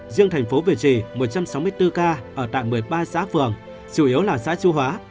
riêng thành phố việt trì một trăm sáu mươi bốn ca ở tại một mươi ba xã phường chủ yếu là xã chu hóa